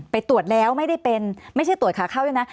ตรวจแล้วไม่ได้เป็นไม่ใช่ตรวจขาเข้าด้วยนะ